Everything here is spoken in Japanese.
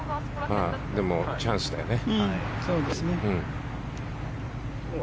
でも、チャンスだよね。